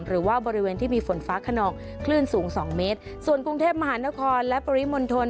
หรือว่าบริเวณที่มีฝนฟ้าขนองคลื่นสูงสองเมตรส่วนกรุงเทพมหานครและปริมณฑล